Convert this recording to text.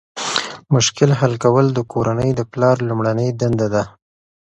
مشکل حل کول د کورنۍ د پلار لومړنۍ دنده ده.